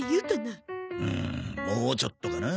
うんもうちょっとかな。